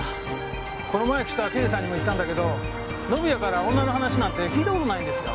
この前来た刑事さんにも言ったんだけど宣也から女の話なんて聞いた事ないんですよ。